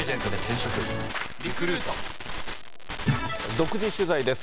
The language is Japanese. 独自取材です。